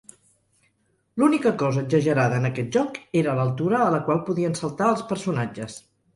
L'única cosa exagerada en aquest joc era l'altura a la qual podien saltar els personatges.